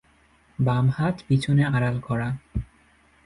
বাম হাত পিছনে আড়াল করা।